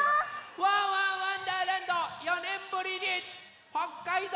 「ワンワンわんだーらんど」４ねんぶりに北海道